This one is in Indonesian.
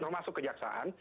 masuk ke jaksaan